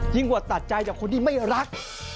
กว่าตัดใจจากคนที่ไม่รัก